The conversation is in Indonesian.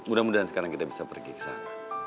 mudah mudahan sekarang kita bisa pergi ke sana